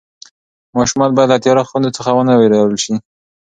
ماشومان باید له تیاره خونو څخه ونه وېرول شي.